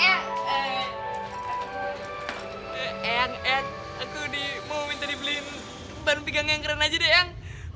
eyang eyang aku mau minta dibeliin ban pegang yang keren aja deh eyang